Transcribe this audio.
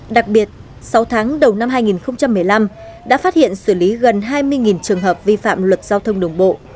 đặc biệt sáu tháng đầu năm hai nghìn một mươi năm đã phát hiện xử lý gần hai mươi trường hợp vi phạm luật giao thông đường bộ